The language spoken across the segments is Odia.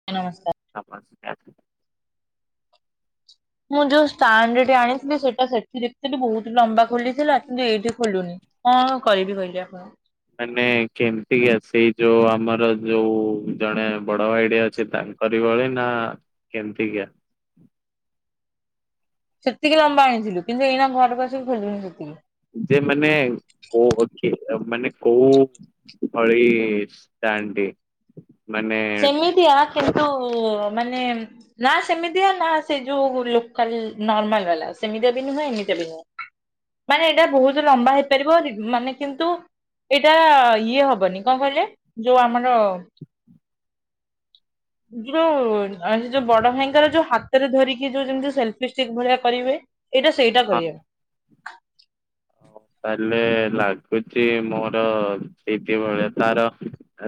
ନମସ୍କାର। ନମସ୍କାର ମୁଁ ଯୋଉ ଷ୍ଟାଣ୍ଡ ଟେ ଆଣିଥିଲି, ସେଇଟା ସେଠି ଦେଖିଥିଲି ବହୁତ ଲମ୍ବା ଖୋଲିଥିଲା କିନ୍ତୁ ଏଇଠି ଖୋଲୁନି। କଣ କରିବି କହିଲେ ଆପଣ। ମାନେ କେମତିକା ସେଇ ଯୋଉ ଆମର ଯୋଉ ଜଣେ ବଡ ଭାଇଟେ ଅଛି ତାଙ୍କ କରି ଭଳି ନା କେମତିକାଆ। ସେତିକି ଲମ୍ବା ଆଣିଥିଲୁ, କିନ୍ତୁ ଏଇନା ଘରକୁ ଆସିକି ଖୋଲୁନି ସେତିକି। ଯେ ମାନେ କୋ କୋଉ ମାନେ କୋଉ। ଭଳି ଷ୍ଟାଣ୍ଡ। ସେମିତିଆ କିନ୍ତୁ ମାନେ ନା ସେମିତିଆ ନା ସେ ଯୋଉ ଲୋକାଲ ନର୍ମାଲ ବାଲା ସେମିତିଆ ବି ନୁହେଁ ଏମିତିଆ ବି ନୁହଁ। ମାନେ ଏଇଟା ବହୁତ ଲମ୍ବା ହେଇପାରିବଯେ ମାନେ କିନ୍ତୁ ଏଇଟା ଇଏ ହବନି କଣ କହିଲେ ଯୋଉ ଆମର [inaudible] ଜୀଜୁ ଯୋଉ ଆ ସେ ଯୋଉ ବଡ଼ ଭାଇଙ୍କର ଯୋଉ ହାତରେ ଧରିକି ଯୋଉ ଯେମତି ସେଲ୍ଫି ଷ୍ଟିକ୍ ଭଳିଆ କରିବେ। ଏଇଟା ସେଇଟା କରିଆ। ହଉ ତାହେଲେ ଲାଗୁଚି ମୋର ସେଇଟି ଭଳିଆ ତାର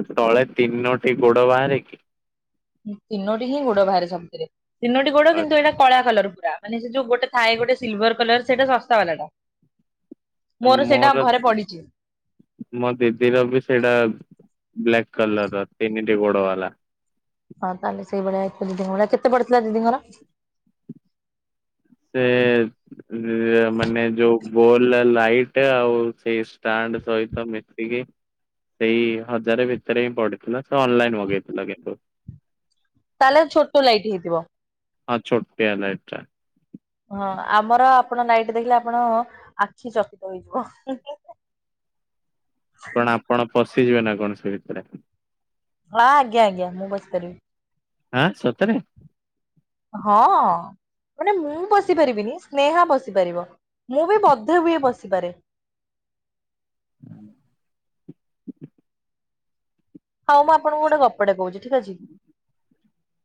ଏ ତଳେ ତିନୋଟିି ଗୋଡ଼ ବାହାରେ କିି? ଉଁ ତିନୋଟି ହିଁ ଗୋଡ଼ ବାହାରେ ସବୁଥିରେ ତିନୋଟି ଗୋଡ଼ କିନ୍ତୁ ଏଟା କଳା କଲର ପୁରା। ମାନେ ସେ ଯୋଉ ଗୋଟେ ଥାଏ ଗୋଟେ ସିଲଭର୍ କଲର୍ ସେଟା ଶସ୍ତା ବାଲାଟା। ଏ ମୋର ପଡିଚି। ମୋ ଦିଦିର ବି ସେଟା ବ୍ଲାକ୍ କଲର୍ ର ତିନିଟି ଗୋଡ଼ ବାଲା। ହଁ ତାହେଲେ ସେଇ ଭଳିଆ ହେଇଥି ଦିଦି ଭଳିଆ। କେତେ ପଡ଼ିଥିଲା ଦିଦିଙ୍କର? ସେ ରେ ମାନେ ଯୋଉ ବୋଲ୍ ଲାଇଟ୍ ଆଉ ସେଇ ଷ୍ଟାଣ୍ଡ୍ ସହିତ ମିଶିକି ସେଇ ହଜାରେ ଭିତରେ ହିଁ ପଡ଼ିଥିଲା ସେ ଅନଲାଇନ୍ ମଗେଇଥିଲା କିନ୍ତୁ। ତାହେଲେ ଛୋଟ ଲାଇଟ୍ ହେଇଥିବ। ହଁ ଛୋଟିିଆ ଲାଇଟ୍ ଟା। ହଁ ଆମର ଆପଣ ଲାଇଟ୍ ଦେଖିଲେ ଆପଣ ଆଖି ଚକିତ ହୋଇଯିବ। କଣ ଆପଣ ପଶିଯିବେ ନାଁ କଣ ସେ ଭିତରେ? ଆ ଆଜ୍ଞା ଆଜ୍ଞା ମୁଁ ବସିପାରିବି। ଆଁ ସତରେ? ହଁ। ମାନେ ମୁଁ ବସିପାରିବିନି ସ୍ନେହା ବସିିପାରିବ। ମୁଁ ବି ବଧେ ବି ବସିପାରେ। ଉଁ ହଉ ମୁଁ ଆପଣଙ୍କୁ ଗୋଟେ ଗପଟେ କୋହୁଚି ଠିକ୍ ଅଛି। ମୁଁ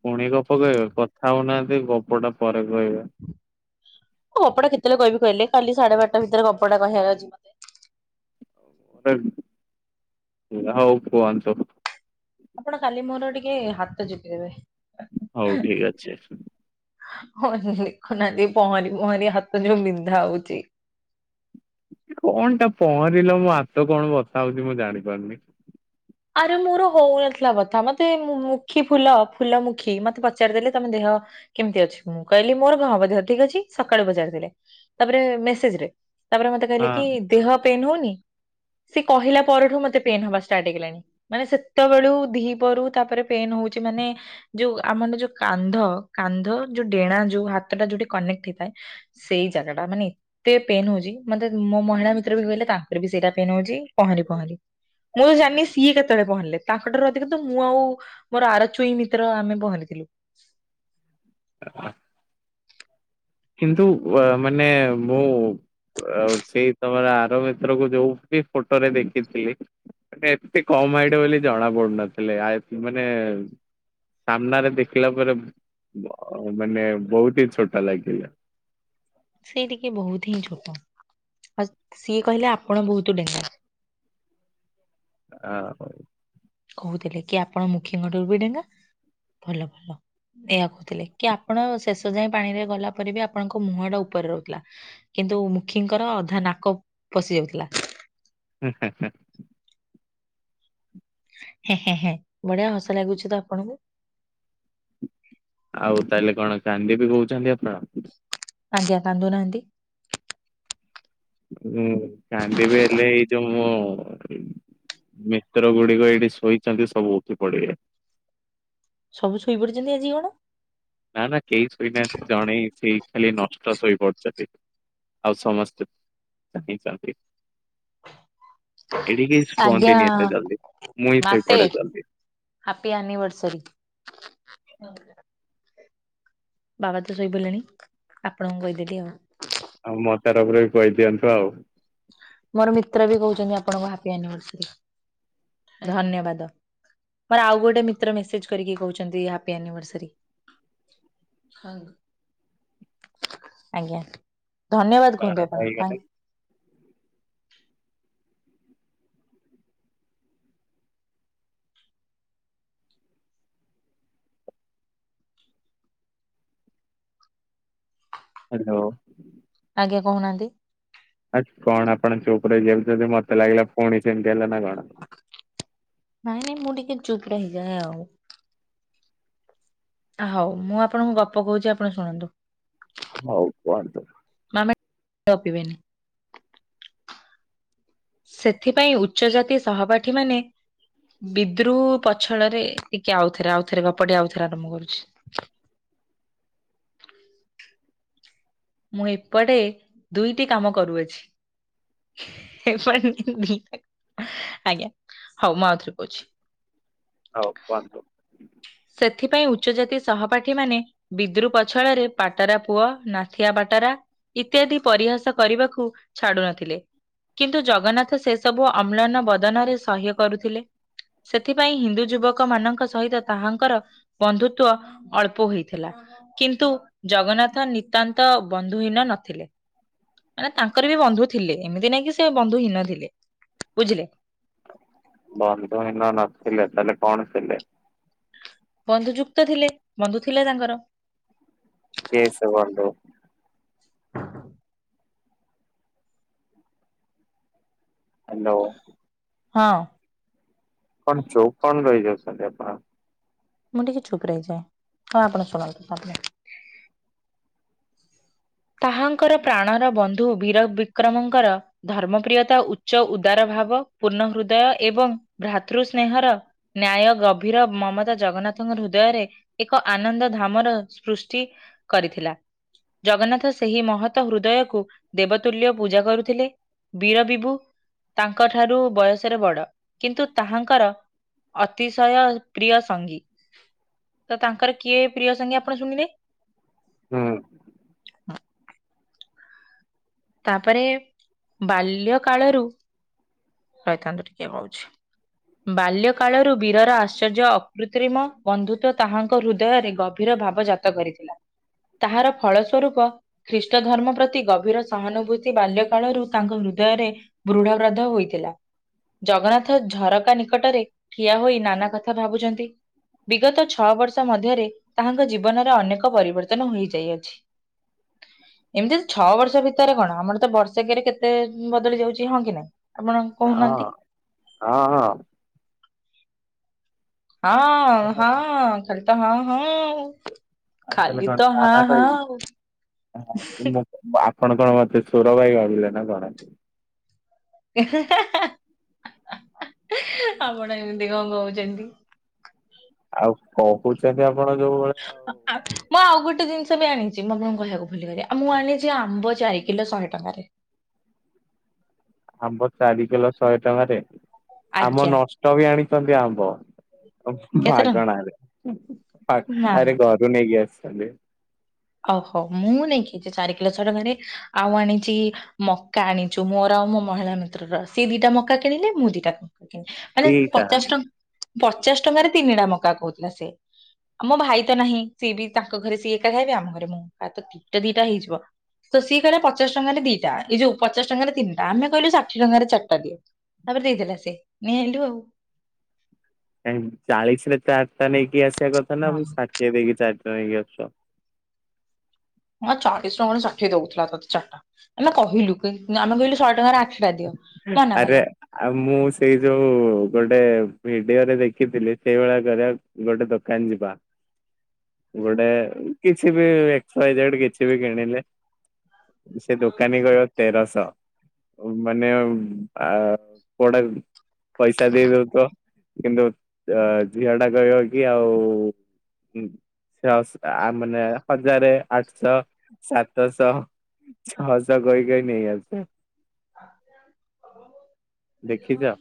ପୁଣି ଗପ କହିବ କଥା ହଉନାହାନ୍ତି ଗପଟା ପରେ କହିବେ। ଓଁ ଗପଟା କେତେଳେ କହିବି କହିଲେ କାଲି ସାଢ଼େ ବାରଟା ଭିତରେ ଗପଟା କହିବାର ଅଛି ମ ଓଟେ ତିରା ହଉ କୁହନ୍ତୁ। ଆପଣ କାଲି ମୋର ଟିକେ ହାତ ଚପିଦେବେ। ହଉ ଠିକ୍ ଅଛି। ହଁ ଯେ ଲେଖୁନାହାନ୍ତି ପହଁରି ପହଁରି ହାତ ଯୋଉ ବିନ୍ଧା ହଉଚି। କଣଟା ପହଁରିଲ ମୋ ହାତ କଣ ବଥା ହଉଚି ମୁଁ ଜାଣି ପାରୁନି? ଆରେ ମୋର ହୋଉନଥଲା ବଥା ମତେ ମୁଖୀ ଫୁଲ ଫୁଲମୁଖୀ ମତେ ପଚାରିଦେଲେ ତମ ଦେହ କେମତି ଅଛି ମୁଁ କହିଲି ମୋର କଁ ହବ ଦେହ ଠିକ୍ ଅଛି ସକାଳୁ ପଚାରିଥିଲେ ତାପରେ ମେସେଜ୍ ରେ। ତାପରେ ମତେ କହିଲେ ହଁ। କି ଦେହ ପେନ୍ ହୋଉନି ସେ କହିଲା ପରଠୁ ମତେ ପେନ୍ ହବା ଷ୍ଟାର୍ଟ ହେଇଗଲାଣି। ମାନେ ସେତବେଳୁ ଦିହିପଅରୁ ତାପରେ ପେନ୍ ହଉଚି ମାନେ ଯୋଉ ଆମନେ ଯୋଉ କାନ୍ଧ କାନ୍ଧ ଯୋଉ ଡେଣା ଯୋଉ ହାତଟା ଯୋଉଠି କନେକ୍ଟ୍ ହେଇଥାଏ ସେଇ ଜାଗାଟା ମାନେ ତେ ପେନ୍ ହଉଚି ମତେ ମୋ ମହିଳା ମିତ୍ର ବି କହିଲେ ତାଙ୍କର ବି ସେଇଟା ପେନ୍ ହଉଚି ପହଁରି ପହଁରି। ମୁଁ ତ ଜାଣନି ସ୍ ତଳେ ପହଁରିଲେ ତାଙ୍କଠାରୁ ଅଧିକ ତ ମୁଁ ଆଉ ମୋର ଆର ଚୁଇଁ ମିତ୍ର ଆମେ ପହଁରିିଥିଲୁ। ଅ ଅ କିନ୍ତୁ ୱା ମାନେ ମୁଁ ଉ ଆଉ ସେଇ ତମର ଆର ମିତ୍ରକୁ ଯୋଉଟି ଫଟରେ ଦେଖିଥିଲି। ଏନେ ଏତେ କମ୍ ହାଇଟ୍ ବୋଲି ଜଣା ପଡୁ଼ନଥୁଲେ ଆଏ ତି ମାନେ ସାମ୍ନାରେ ଦେଖିଲା ପରେ ବ ମାନେ ବହୁଟି ଛୋଟ ଲାଗି ତିଲା। ସେ ଟିକେ ବୋହୁତ ହିଁ ଛୋଟ। ଅ ସିଏ କହିଲେ ଆପଣ ବୋହୁତୁ ଡେଙ୍ଗା। ଆ ହଉ। କହୁଥିଲେ କି ଆପଣ ମୁଖିଙ୍କ ଠାରୁ ବି ଡେଙ୍ଗା ଭଲ ଭଲ। ଏଇଆ କୋହୁଥୁଲେ କି ଆପଣ ଶେଷ ଯାଏଁ ପାଣିରେ ଗଲା ପରେ ବି ଆପଣଙ୍କ ମୁହଁଟା ଉପରେ ରହୁଥୁଲା। କିନ୍ତୁ ମୁଖୀଙ୍କର ଅଧା ନାକ ପଶି ଯାଉଥିଲା। ହୁଁ ହୁଁ ହୁଁ। ହେଁ ହେଁ ହେଁ ବଢିଆ ହସ ଲାଗୁଛି ତ ଆପଣଙ୍କୁ। ଆଉ ତାହେଲେ, କଣ କାନ୍ଦିବି କହୁଛନ୍ତି ଆପଣ? ଆଜ୍ଞା, କାନ୍ଧୁ ନାହାନ୍ତି। ହୁଁ, କାନ୍ଦିବି ହେଲେ ଏଇ ଯୋଉ ମୁଁ।, ମିତ୍ର ଗୁଡିକ ଏଇଠି ଶୋଇଛନ୍ତି। ସବୁ ଉଠି ପଡିବେ। ସବୁ ଶୋଇପଡିଛନ୍ତି ଆଜି କଣ? ନା, ନା, କେହି ଶୋଇନାହାନ୍ତି। ଜଣେଇ ସେଇ ଖାଲି ନଷ୍ଟ ଶୋଇପଡିଛନ୍ତି। ଆଉ ସମସ୍ତେ, ଚାହିଁଛନ୍ତି। ଏଠି କେହି ଆଜ୍ଞା ଶୁଅନ୍ତିନି, ଏତେ ଜଲଦି, ମୁଁ ହିଁ ମାତେ ଶୋଇପଡେ ଜଲଦି। Happy anniversary. ? ବାବା ତ ଶୋଇପଲେଣି ଆପଣଙ୍କୁ କହିଦେଲି ଆଉ। ଆଉ ମୋ ତରଫରୁ ବି କହିଦିଅନ୍ତୁ ଆଉ। ମୋର ମିତ୍ର ବି କହୁଛନ୍ତି ଆପଣଙ୍କ ହାପି ଆନିଭର୍ସରୀ ଧନ୍ୟବାଦ। ମୋର ଆଉ ଗୋଟେ ମିତ୍ର ମେସେଜ କରିକି କହୁଛନ୍ତି ହାପି ଆନିଭର୍ସରୀ। ଆଜ୍ଞା ଧନ୍ୟବାଦ କୁହନ୍ତୁ ବାରଟା ଆପଣ ହେଇଗଲେ କାହିଁକି। ହ୍ୟାଲୋ। ଆଜ୍ଞା କହୁନାହାନ୍ତି। ଆଉ କଣ ଆପଣ ଚୁପ ରହିଯାଉଚନ୍ତି ମତେ ଲାଗିଲା ପୁଣି ସେମିତି ହେଲା ନା କଣ। ନାଇଁ ନାଇଁ ମୁଁ ଟିକେ ଚୁପ ରହିଯାଏ ଆଉ। ହଉ ମୁଁ ଆପଣଙ୍କୁ ଗପ କହୁଛି ଆପଣ ଶୁଣନ୍ତୁ। ହଉ କୁହନ୍ତୁ। ନହେଲେ ଗପିବେନି। ସେଥିପାଇଁ ଉଚ୍ଚ ଜାତି ସହପାଠୀ ମାନେ। ବିଦୃପଛଳରେ ଟିକେ, ଆଉଥରେ, ଆଉଥରେ, ଗପଟି ଆଉଥରେ ଆରମ୍ଭ କରୁଛି। ମୁଁ ଏପଟେ, ଦୁଇଟି କାମ କରୁଅଛି। ଆଜ୍ଞା! ହଉ ମୁଁ ଆଉଥରେ କହୁଛି। ହଉ କୁହନ୍ତୁ। ସେଥିପାଇଁ ଉଚ୍ଚ ଜାତି ସହପାଠୀ ମାନେ, ବିଦ୍ରୁପ ଛଳରେ ପାଟରା ପୁଅ, ନାଥିଆ ପାଟରା, ଇତ୍ୟାଦି ପରିହାସ କରିବାକୁ ଛାଡୁ ନଥିଲେ। କିନ୍ତୁ ଜଗନ୍ନାଥ ସେ ସବୁ ଅମ୍ଳାନ ବଦନରେ ସହ୍ୟ କରୁଥିଲେ। ସେଥିପାଇଁ ହିନ୍ଦୁ ଯୁବକ ମାନଙ୍କ ସହିତ, ତାହାଙ୍କର ବନ୍ଧୁତ୍ବ ଅଳ୍ପ ହୋଇଥିଲା। କିନ୍ତୁ, ଜଗନ୍ନାଥ ନିତାନ୍ତ, ବନ୍ଧୁହୀନ ନଥିଲେ। ମାନେ ତାଙ୍କର ବି ବନ୍ଧୁ ଥିଲେ। ଏମିତି ନାଇଁ କି ସେ ବନ୍ଧୁ ହୀନ ଥିଲେ। ବୁଝିଲେ? ଵନ୍ଧୁ ହିନ ନଥିଲେ, ତାହେଲେ କଣ ଥିଲେ। ବନ୍ଧୁ ଯୁକ୍ତ ଥିଲେ, ବନ୍ଧୁ ଥିଲେ ତାଙ୍କର। କିଏ ସେ ବଂଧୁ। ? ହାଲୋ! ହଁ,। କଣ ଚୁପ କଣ ରହିଯାଉଛନ୍ତି, ଆପଣ? ମୁଁ ଟିକେ ଚୁପ ରହିଯାଏ। ହଁ, ଆପଣ ଶୁଣନ୍ତୁ ତାପରେ, ତାହାଙ୍କର ପ୍ରାଣର ବନ୍ଧୁ! ବୀର ବିକ୍ରମଙ୍କର, ଧର୍ମପ୍ରିୟତା, ଉଚ୍ଚ ଉଦାର ଭାବ, ପୂର୍ଣ୍ଣ ହୃଦୟ, ଏବଂ ଭ୍ରାତୃ ସ୍ନେହର, ନ୍ୟାୟ, ଗଭୀର ମମତା ଜଗନ୍ନାଥଙ୍କ ହୃଦୟରେ, ଏକ ଆନନ୍ଦ ଧାମର ସୃଷ୍ଟି କରିଥିଲା। ଜଗନ୍ନାଥ ସେହି ମହତ ହୃଦୟକୁ ଦେବତୁଲ୍ୟ ପୂଜା କରୁଥିଲେ ବୀରବିବୁ। ତାଙ୍କ ଠାରୁ ବୟସରେ ବଡ, କିନ୍ତୁ ତାହାଙ୍କର ଅତିଶୟ ପ୍ରିୟ ସଙ୍ଗୀ ତ ତାଙ୍କର କିଏ ପ୍ରିୟ ସଙ୍ଗୀ ଆପଣ ଶୁଣିଲେ? ହୁଁ। [inaudible] ତାପରେ ବାଲ୍ୟ କାଳରୁ ରହିଥାନ୍ତୁ ଟିକେ କହୁଛି। [inaudible] ବାଲ୍ୟ କାଳରୁ ବୀରର ଆଶ୍ଚର୍ଯ୍ୟ ଅକୃତ୍ରିମ ବନ୍ଧୁତ୍ୱ ତାହାଙ୍କ ହୃଦୟରେ ଗଭୀର ଭାବ ଜା ଜାତ କରିଥିଲା ତାହାର ଫଳସ୍ୱରୂପ ଖ୍ରୀଷ୍ଟ ଧର୍ମ ପ୍ରତି ଗଭୀର ସହାନୁଭୂତି ବାଲ୍ୟ କାଳରୁ ତାଙ୍କ ହୃଦୟରେ ବୃଢ ବ୍ରଧ ହୋଇଥିଲା। ଜଗନ୍ନାଥ ଝରକା ନିକଟରେ, ଠିଆ ହୋଇ ନାନା କଥା ଭାବୁଛନ୍ତି? ବିଗତ ଛଅ ବର୍ଷ ମଧ୍ୟରେ, ତାହାଙ୍କ ଜୀବନର ଅନେକ ପରିବର୍ତ୍ତନ ହୋଇଯାଇଅଛି। ? ଏମିତି ଛଅ ବର୍ଷ ଭିତରେ କଣ, ଆମର ତ ବର୍ଷକରେ କେତେ ବଦଳି ଯାଉଛି। ହଁ କି ନାଇଁ ଆପଣ କହୁନାହାନ୍ତି? ହଁ, ହଁ। ହଁ, ହଁ, ଖାଲିତ ହଁ, ହଁ ଆଉ। ଖାଲି ତ ହଁ, ହଁ, ଆଉ। ହଁ, ମୁଁ ଆପଣଙ୍କ କଣ ମତେ ସୁର ଭାଇ ଭାବିଲେ ନା କଣ? ହା, ହା, ହା, ଆପଣ ଏମିତି କଣ କହୁଛନ୍ତି? ଆଉ, କହୁଛନ୍ତି ଆପଣ ଯୋଉ ଭଳିଆ ଆଉ ମୁଁ, ଆଉ ଗୋଟେ ଜିନିଷ ବି ଆଣିଛି। ମୁଁ ଆପଣଙ୍କୁ କହିବାକୁ ଭୁଲିଗଲି, ମୁଁ ଆଣିଛି, ଆମ୍ବ ଚାରି କିଲ ଶହେ ଟଙ୍କାରେ। ? ଆମ୍ବ ଚାରି କିଲ ଶହେ ଟଙ୍କାରେ, ଆମ ଆଜ୍ଞା ନଷ୍ଟ ବି ଆଣିଛନ୍ତି ଆମ୍ବ। ଅଫସ କେତେ ଟଙ୍କା ମାଗଣାରେ ନା ଆ ଘରୁ ନେଇକି ଆସିଛନ୍ତି। ଓହୋ ମୁଁ ନେଇକି ଚାରି କିଲ ଶହେ ଟଙ୍କା ରେ ଆଉ ଆଣିଛି ମକା ଆଣିଛୁ ମୋର ଆଉ ମୋ ମହିଳା ମିତ୍ରର ସେ ଦିଟା ମକା କିଣିଲେ ମୁଁ ଦିଟା। ଆରେ ଦିଟା। ପଚାଶ ଟଙ୍କା ରେ ପଚାଶ ଟଙ୍କାରେ ତିନି ଟା ମକା କହୁଥିଲା ସେ। ଅ ମୋ ଭାଇ ତ ନାହିଁ ସିଏ ବି ତାଙ୍କ ଘରେ ସିଏ ଏକା ଖାଇବେ ଆମ ଘରେ ମୁଁ ଆ ତ ଦୀଟା ଦିଟା ହେଇଯିବ। ତ ସିଏ କହିଲା ପଚାଶ ଟଙ୍କାରେ ଦିଟା ଏ ଯୋଉ ପଚାଶ ଟଙ୍କାରେ ତିନିଟା ଆମେ କହିଲୁ ଷାଠିଏ ଟଙ୍କାରେ ଚାରିଟା ଦିଅ। ତାପରେ ଦେଇଦେଲା ସେ ନେଇ ଆଇଲୁ ଆଉ। କାଇଁ ଚାଳିଶ ରେ ଚାରିଟା ନେଇକି ଆସିବା କଥା ନା ହଁ। ଷାଠିଏ ଦେଇକି ଚାରିଟା ନେଇକି ଆସୁଛ? ହଁ ଚାଳିଶ ଟଙ୍କା ଷାଠିଏ ଦଉଥିଲା ତତେ ଚାରିଟା ହେଲା କହିଲୁ ଆମେ କହିଲୁ ଶହେ ଟଙ୍କାରେ ଆଠ ଆରେ ଆଉ ମୁଁ ସେଇ ଯୋଉ ଗୋଟେ ଭିଡିଓ ରେ ଦେଖିଥିଲି ସେଇଭଳିଆ କରିଆ ଗୋଟେ ଦୋକାନ ଯିବା ଗୋଟେ କିଛି ବି ଏକ୍ସ ୱାଇ ଜେଡ୍ କିଛି ବି କିଣିଲେ? ସେ ଦୋକାନୀ କହିବ ତେରଶ। ମାନେ ଆ କୋଡା କୁ। ପଇସା ଦେଇ ଦଉ ଥିବ କିନ୍ତୁ ଅ ଝିଅ ଟା କହିବ କି ଆଉ ହୁଁ ସେ ଆ ମାନେ ହଜାରେ ଆଠଶ ସାତଶ ଛଅସ କହି କହି ନେଇ ଆସେ। ଦେଖିଛ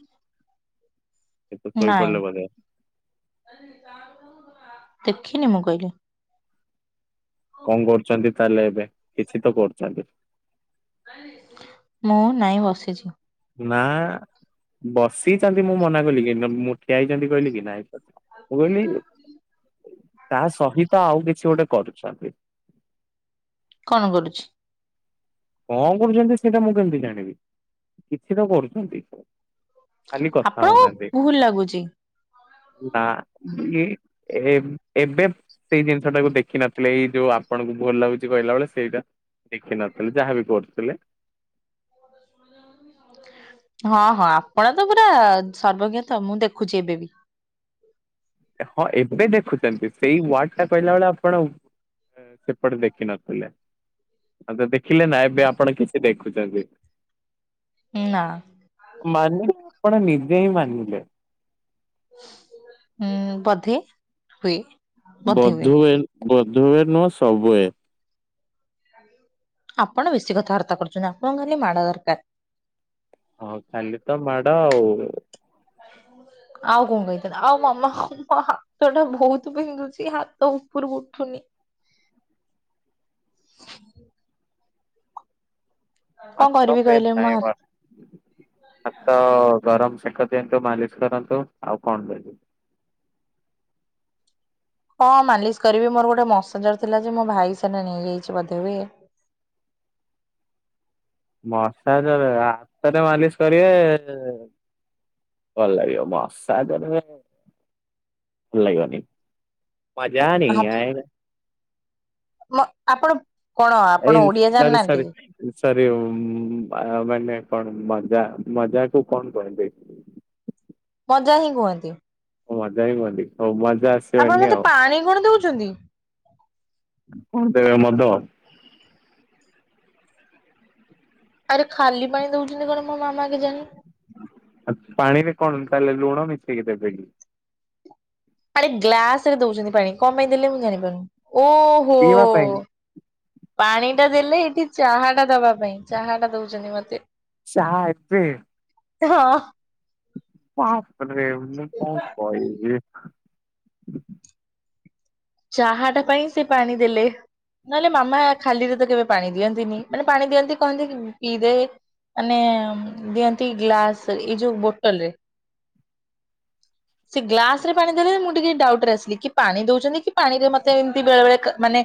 ଏତ [inaudible] ଶୋଇପଡିଲେ ନାଇଁ। ବୋଧେ ଦେଖିନି ମୁଁ କହିଲି। କଣ କରୁଛନ୍ତି ତାହେଲେ ଏବେ କିଛି ତ କରୁଛନ୍ତି? ମୁଁ ନାଇଁ ବସିଛି। ନା ବସିଛନ୍ତି ମୁଁ ମନା କଲି କି ମୁଁ ଠିଆ ହେଇଛନ୍ତି କହିଲି କି ନାଇଁ। ମୁ କହିଲି ତା ସହିତ ଆଉ କିଛି ଗୋଟେ କରୁଚନ୍ତି। କଣ କରୁଚି? କଣ କରୁଚନ୍ତି ସେଇଟା ମୁଁ କେମିତି ଜାଣିବି କିଛି ତ କରୁଚନ୍ତି। ଖାଲି କଥା ହେଉ ଆପଣଙ୍କୁ ନାହାନ୍ତି ଭୁଲ ଲାଗୁଛି ନାଁ ଉଁ। ଏ ଏବେ ସେଇ ଜିନିଷ ଟାକୁ ଦେଖିନଥିଲେ ଏଇ ଯୋଉ ଆପଣଙ୍କୁ ଭଲ ଲାଗୁଚି କହିଲା ବେଳେ ସେଇଟା ଦେଖିନ ଯାହାବି କରୁଥିଲେ। ହଁ ହଁ ଆପଣ ତ ପୁରା ସର୍ବଜ୍ଞ ତ ମୁଁ ଦେଖୁଚି ଏବେ ବି। ହଁ ଏବେ ଦେଖୁଚନ୍ତି ସେଇ ୱାର୍ଡ ଟା କହିଲା ବେଳେ ଆପଣ ସେପଟେ ଦେଖିନଥିଲେ। ତ ଦେଖିଲେ ନା ଏବେ ଆପଣ କିଛି ଦେଖୁଚନ୍ତି। ନାଁ। ମାନିଲେ ଆପଣ ନିଜେ ହିଁ ମାନିଲେ। ହୁଁ ବଧେ ହୁଏ। ବୋଧୁ ହୁଏ ବୋଧୁ ହୁଏ ନୁହେଁ ସବୁ ହୁଏ। ଆପଣ ବେଶୀ କଥାବାର୍ତ୍ତା କରୁଚନ୍ତି। ଆପଣଙ୍କୁ ଖାଲି ମାଡ ଦରକାର। ହଁ ଖାଲି ତ ମାଡ ଆଉ। [inaudible] ଆଉ କଣ କହିଥାନ୍ତି ଆଉ ମାମା ମୋ ହାତ ଟା ବୋହୁତ ବନ୍ଧୁଚି ହାତ ଉପରୁକୁ ଉଠୁନି। କଣ ହାତ କରିବି କହିଲେ ପେନ୍ ମୋ ନାହିଁ ହାତ [unintelligible] ହାତ ଗରମ ସେକ ଦିଅନ୍ତୁ। ମାଲିସ କରନ୍ତୁ ଆଉ କଣ ଦେବେ। ହଁ ମାଲିସ କରିବି ମୋର ଗୋଟେ ମସାଜର ଥିଲା ଯେ ମୋ ଭାଇ ସେଟା ନେଇଯାଇଚି ବୋଧେ ହୁଏ। ମସାଜରେ ହାତରେ ମାଲିସ କରିବେ। ଭଲଲାଗିବ ମସା ଜରରେ ଭଲଲାଗିବନି। ମଜା ନେହିଁ ଆଏଗା। ମ ଆପଣ କଣ ଏଇ ଆପଣ ଓଡିଆ ସରି ସରି ଜାଣିନାହାନ୍ତି କି? ସରି ମା-ମାନେ କଣ ମଜା ମଜାକୁ କଣ କୁହନ୍ତି। ମଜା ହିଁ କୁହନ୍ତି। ଓ ମଜା ହିଁ କୁହନ୍ତି ହୋଉ ମଜାସ ଆପଣ ମତେ ପାଣି କଣ ଦୋଉଚନ୍ତି? କଣ ଦେବେ ମଦ। ଆରେ ଖାଲି ପାଣି ଦୋଉଚନ୍ତି କଣ ମୋ ମାମା ଆଗେ କେଜାଣି। ଆ ପାଣିରେ କଣ ତାହେଲେ ଲୁଣ ମିଶେଇକି ଦେବେ କି? ଆରେ ଗ୍ଲାସ ରେ ଦୋଉଛନ୍ତି ପାଣି କଣ ପାଇଁ ଦେଲେ ମୁଁ ଜାଣିପାରୁନି ଓହୋ। ପିଇବା ପାଇଁ? ପାଣି ଟା ଦେଲେ ଏଇଠି ଚାହା ଟା ଦବା ପାଇଁ ଚାହା ଟା ଦୋଉଚନ୍ତି ମତେ। ଚାହା ଏବେ? ହଁ। [unintelligible] ହାତଟା ଟିକେ ଇଏ [inaudible] ମୁଁ କଣ କହିବି। ଚାହା ଟା ପାଇଁ ସେ ପାଣି ଦେଲେ। ନହେଲେ ମାମା ଖାଲିରେ ତ କେବେ ପାଣି ଦିଅନ୍ତିନି। ମାନେ ପାଣି ଦିଅନ୍ତି କହନ୍ତି ପିଇଦେ। ମାନେ ଦିଅନ୍ତି ଗ୍ଲାସ ଏଇ ଯୋଉ ବୋଟଲରେ। ସେ ଗ୍ଲାସରେ ପାଣି ଦେଲେ ମୁଁ ଟିକେ ଡାଉଟ ରେ ଆସିଲି କି ପାଣି ଦୋଉଚନ୍ତି କି ପାଣିରେ ମତେ ଏମିତି ବେଳେ ବେଳେ କା ମାନେ